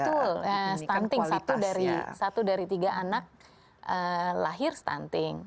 betul stunting satu dari tiga anak lahir stunting